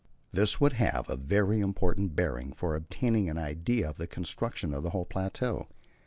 This would have a very important bearing for obtaining an idea of the construction of the whole plateau.